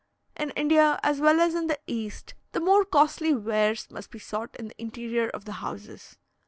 In India, as well as in the East, the more costly wares must be sought in the interior of the houses.